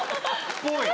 ぽい！